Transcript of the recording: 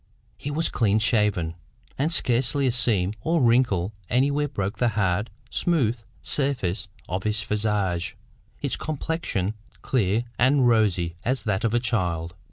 He was clean shaven, and scarcely a seam or wrinkle anywhere broke the hard, smooth surface of his visage, its complexion clear and rosy as that of a child.